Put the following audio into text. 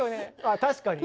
あ確かに。